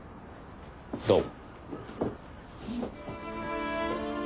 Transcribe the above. どうも。